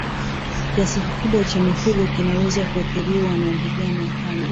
Kiasi kikubwa cha mifugo kinaweza kuathiriwa na ndigana kali